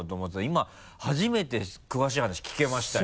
今初めて詳しい話聞けましたよ